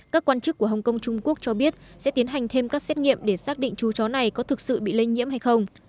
các quan chức của hồng kông trung quốc cho biết sẽ tiến hành thêm các xét nghiệm để xác định chú chó này có thực sự bị lây nhiễm hay không